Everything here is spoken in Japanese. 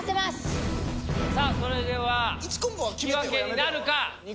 さあそれでは引き分けになるか。